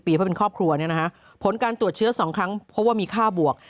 เพราะเป็นครอบครัวเนี่ยนะฮะผลการตรวจเชื้อ๒ครั้งเพราะว่ามีค่าบวก